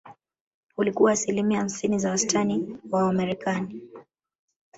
Ulikuwa asilimia hamsini za wastani wa Wamarekani